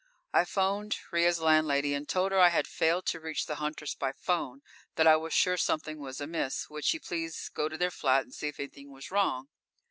I phoned Ria's landlady and told her I had failed to reach the Hunters by phone, that I was sure something was amiss. Would she please go to their flat and see if anything was wrong.